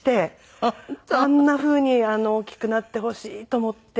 あんなふうに大きくなってほしいと思って。